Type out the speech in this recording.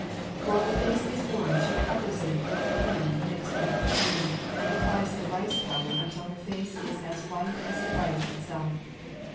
While the face is warm she covers it with honey mixed with perfume, and applies the rice powder until her face is as white as the rice itself.